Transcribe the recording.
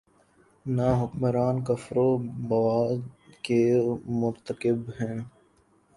نہ حکمران کفر بواح کے مرتکب ہیں۔